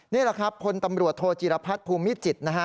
นี่แหละครับพลตำรวจโทจีรพัฒน์ภูมิจิตรนะฮะ